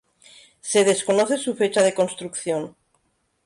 Se desconoce su fecha de construcción.